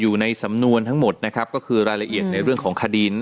อยู่ในสำนวนทั้งหมดนะครับก็คือรายละเอียดในเรื่องของคดี